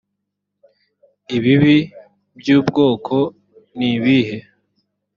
ibibi by ubwoko nibihe